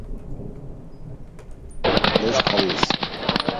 Les Halles